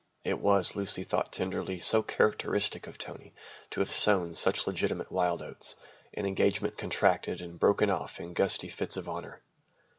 It was, Lucy thought tenderly, so characteristic of Tony to have sown such legitimate wild oats. An engagement contracted and broken off in gusty fits of honour.